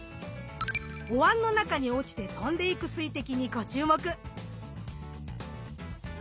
おわんの中に落ちて飛んでいく水滴にご注目。